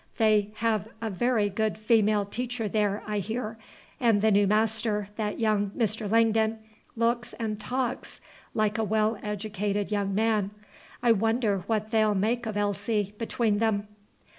They have a very good female teacher there, I hear; and the new master, that young Mr. Langdon, looks and talks like a well educated young man. I wonder what they 'll make of Elsie, between them!"